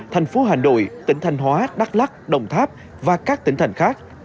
thành phố hà nội tỉnh thanh hóa đắk lắc đồng tháp và các tỉnh thành khác